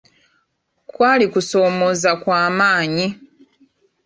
Kwali kusoomooza kwa maanyi.